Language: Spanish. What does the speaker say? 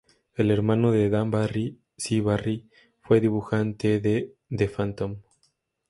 El hermano de Dan Barry, Sy Barry, fue dibujante de "The Phantom".